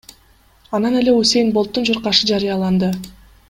Анан эле Усэйн Болттун чуркашы жарыяланды.